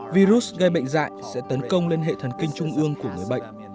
virus gây bệnh dạy sẽ tấn công lên hệ thần kinh trung ương của người bệnh